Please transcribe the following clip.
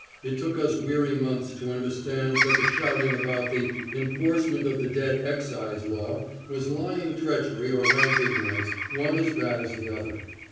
It took us weary months to understand that the shouting about the "enforcement of the dead Excise Law" was lying treachery or rank ignorance, one as bad as the other.